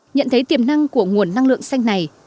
nhận thấy tiềm năng của nguồn năng lượng xanh này